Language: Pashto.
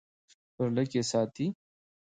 په زړه کښې ساتي--